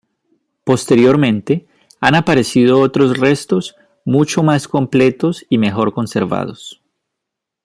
Posteriormente han aparecido otros restos mucho más completos y mejor conservados.